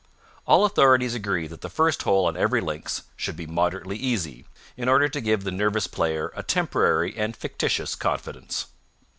All authorities agree that the first hole on every links should be moderately easy, in order to give the nervous player a temporary and fictitious confidence.